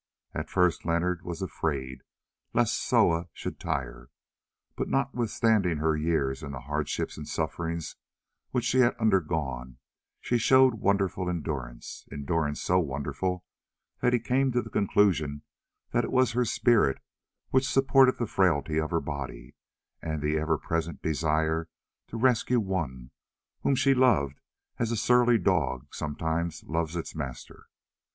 At first Leonard was afraid lest Soa should tire, but notwithstanding her years and the hardships and sufferings which she had undergone, she showed wonderful endurance—endurance so wonderful that he came to the conclusion that it was her spirit which supported the frailty of her body, and the ever present desire to rescue one whom she loved as a surly dog sometimes loves its master.